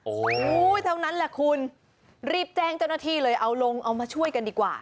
โอ้โหเท่านั้นแหละคุณรีบแจ้งเจ้าหน้าที่เลยเอาลงเอามาช่วยกันดีกว่า